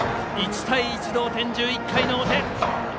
１対１、同点、１１回の表。